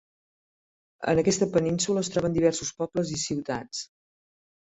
En aquesta península es troben diversos pobles i ciutats.